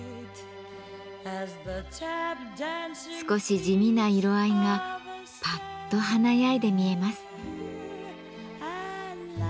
少し地味な色合いがパッと華やいで見えます。